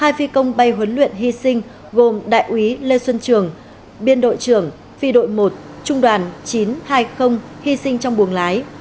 hai phi công bay huấn luyện hy sinh gồm đại úy lê xuân trường biên đội trưởng phi đội một trung đoàn chín trăm hai mươi hy sinh trong buồng lái